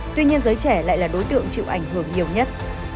tuy nhiên giới trẻ lại là đối tượng chịu ảnh hưởng nhiều nhất